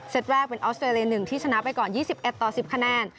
แรกเป็นออสเตรเลีย๑ที่ชนะไปก่อน๒๑ต่อ๑๐คะแนน